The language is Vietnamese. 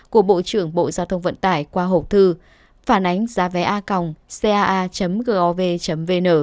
của bộ trưởng bộ giao thông vận tải qua hộp thư phản ánh giá vé a còng caa gov